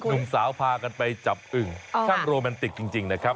หนุ่มสาวพากันไปจับอึ่งช่างโรแมนติกจริงนะครับ